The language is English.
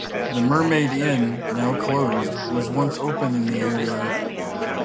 The Mermaid Inn, now closed, was once open in the area.